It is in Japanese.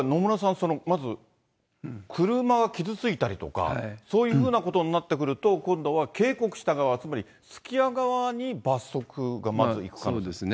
これ、やっぱり野村さん、まず車が傷ついたりとか、そういうふうなことになってくると、今度は警告した側、つまりすき家側に罰則がまずくる？